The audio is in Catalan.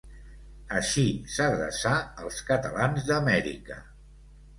Així, s'adreçà als catalans d'Amèrica.